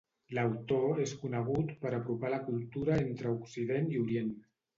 L'autor és conegut per apropar la cultura entre Occident i Orient.